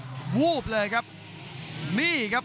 กรรมการเตือนทั้งคู่ครับ๖๖กิโลกรัม